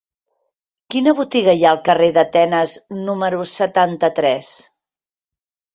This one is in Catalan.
Quina botiga hi ha al carrer d'Atenes número setanta-tres?